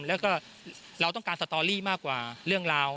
แล้วก็เราต้องการสตอรี่มากกว่าเรื่องราว